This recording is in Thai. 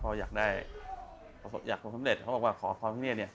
พออยากได้อยากประสบสำเร็จเขาบอกว่าขอพระพิฆเนตเนี่ย